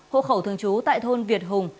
hộ khẩu thường trú tại thôn việt hùng